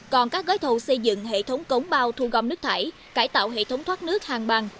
còn các gói thầu xây dựng hệ thống cống bao thu gom nước thải cải tạo hệ thống thoát nước hàng bằng